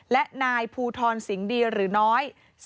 และนายภูทรสิงห์ดีหรือน้อย